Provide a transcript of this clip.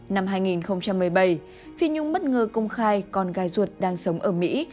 năm hai nghìn một mươi bảy phi nhung bất ngờ công khai con gái ruột đang sống ở mỹ